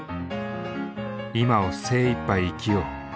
今を精いっぱい生きよう。